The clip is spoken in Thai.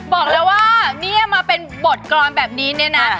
บอกเลยว่าเนี่ยมาเป็นบทกรรมแบบนี้เนี่ยนะ